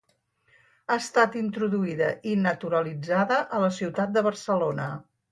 Ha estat introduïda i naturalitzada a la ciutat de Barcelona.